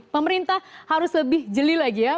pemerintah harus lebih jeli lagi ya